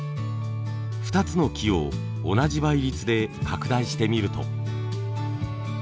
２つの木を同じ倍率で拡大してみると。